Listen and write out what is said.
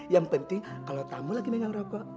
yang penting kalau tamu lagi megang rokok